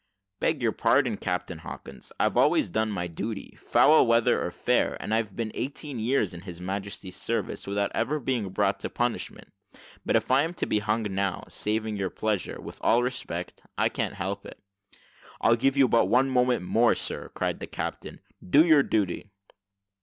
"Beg your pardon, Captain Hawkins, I've always done my duty, foul weather or fair; and I've been eighteen years in His Majesty's service, without ever being brought to punishment; but if I am to be hung now, saving your pleasure, and with all respect, I can't help it." "I give you but one moment more, sir," cried the captain: "do your duty."